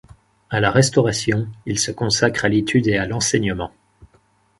À la Restauration, il se consacre à l'étude et à l'enseignement.